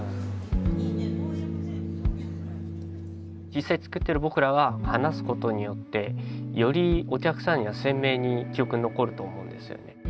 実際作ってる僕らが話すことによってよりお客さんには鮮明に記憶に残ると思うんですよね。